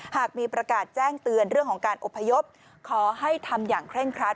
หากมีประกาศแจ้งเตือนเรื่องของการอบพยพขอให้ทำอย่างเคร่งครัด